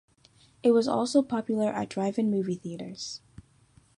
It was also popular at drive-in movie theaters.